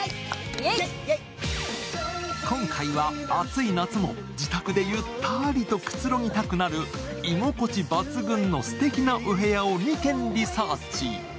今回は暑い夏も自宅でゆったりとくつろぎたくなる居心地抜群のすてきなお部屋を２軒リサーチ。